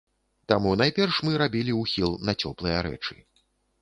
Таму найперш мы рабілі ўхіл на цёплыя рэчы.